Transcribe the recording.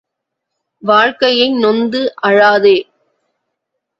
வாழ்க்கையை நொந்து அழாதே!